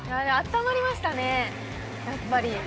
あったまりましたねやっぱり。